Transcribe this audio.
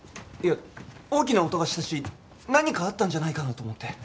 いや大きな音がしたし何かあったんじゃないかなと思って。